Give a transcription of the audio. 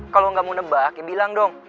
kalau nggak mau nebak ya bilang dong